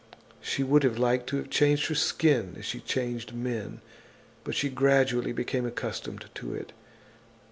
She would have liked to have changed her skin as she changed men. But she gradually became accustomed to it.